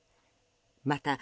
また、